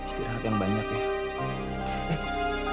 istirahat yang banyak ya